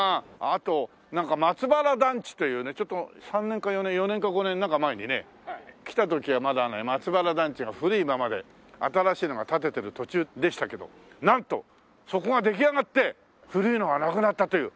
あとなんか松原団地というねちょっと３年か４年４年か５年なんか前にね来た時はまだね松原団地が古いままで新しいのが建ててる途中でしたけどなんとそこが出来上がって古いのがなくなったという。